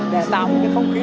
để tạo cái không khí